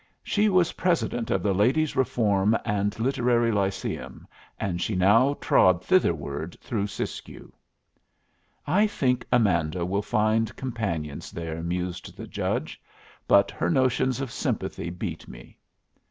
She was president of the Ladies' Reform and Literary Lyceum, and she now trod thitherward through Siskiyou. "I think Amanda will find companions there," mused the judge. "But her notions of sympathy beat me."